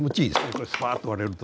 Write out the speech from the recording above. これスパッと割れると。